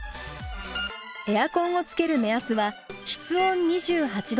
エアコンをつける目安は室温２８℃です。